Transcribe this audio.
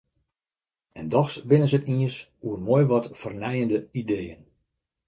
En dochs binne se it iens oer moai wat fernijende ideeën.